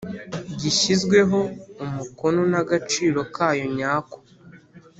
gishyizweho umukono n agaciro kayo nyako